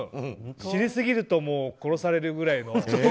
知りすぎると殺されるくらいの。